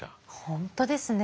本当ですね。